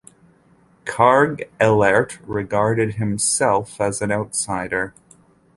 Karg-Elert regarded himself as an outsider.